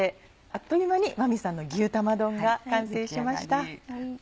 あっという間に万実さんの牛玉丼が完成しました。